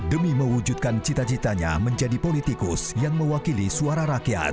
demi mewujudkan cita citanya menjadi politikus yang mewakili suara rakyat